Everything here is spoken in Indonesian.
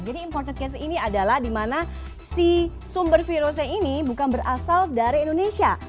jadi imported case ini adalah dimana si sumber virusnya ini bukan berasal dari indonesia